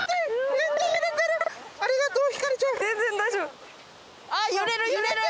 ありがとう。